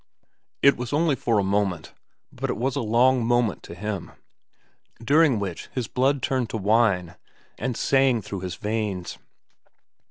It was only for a moment, but it was a long moment to him, during which his blood turned to wine and sang through his veins.